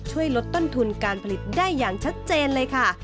ช่วยลดต้นทุนการผลิตได้อย่างชัดเจนเลยค่ะ